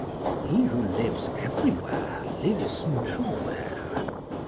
["He who lives everywhere, lives nowhere."